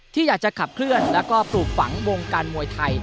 ที่อยากจะขับเคลื่อนแล้วก็ปลูกฝังวงการมวยไทย